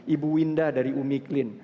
ibu winda dari umi clean